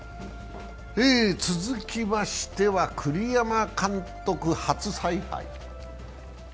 続きましては栗山監督初采配。